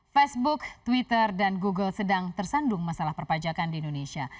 facebook twitter dan google sedang tersandung masalah perpajakan di indonesia